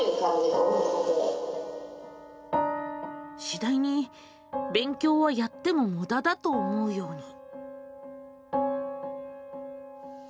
しだいに「勉強はやってもムダだ」と思うように。